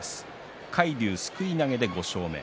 海龍すくい投げで５勝目。